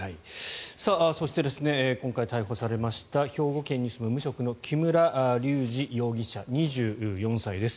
そして今回、逮捕されました兵庫県に住む、無職の木村隆二容疑者、２４歳です。